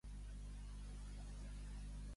Què rebat al Partit Popular?